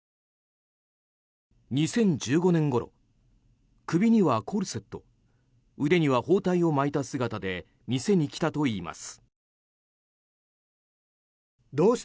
２０１５年ごろ首にはコルセット腕には包帯を巻いた姿で店に来たといいます。